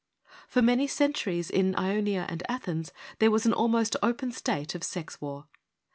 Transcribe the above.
For many centuries in Ionia and Athens there was an almost open state of sex war.